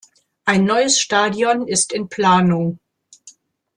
Ein neues Stadion ist in Planung.